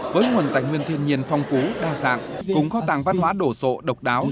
với nguồn tài nguyên thiên nhiên phong phú đa sạng cũng có tàng văn hóa đổ sộ độc đáo